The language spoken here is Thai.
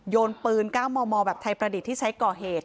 นปืน๙มมแบบไทยประดิษฐ์ที่ใช้ก่อเหตุ